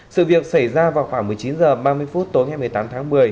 sự việc xảy ra vào khoảng một mươi chín h ba mươi phút tối ngày một mươi tám tháng một mươi